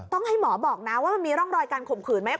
ต้องให้หมอบอกนะว่ามันมีร่องรอยการข่มขืนไหม